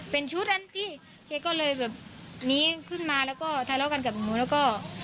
เป็นชุดอันพี่แกก็เลยแบบหนีขึ้นมาแล้วก็ทะเลาะกันกับหนูแล้วก็